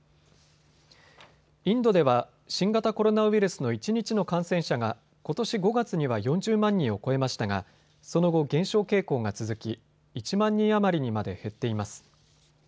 インドでは新型コロナウイルスの一日の感染者がことし５月には４０万人を超えましたがその後、減少傾向が続き１万人余りにまで減っています。